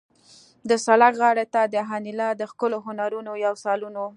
د سړک غاړې ته د انیلا د ښکلو هنرونو یو سالون و